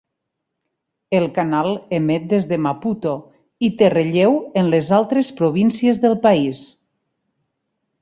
El canal emet des de Maputo i té relleu en les altres províncies del país.